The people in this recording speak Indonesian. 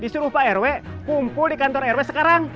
disuruh pak rw kumpul di kantor rw sekarang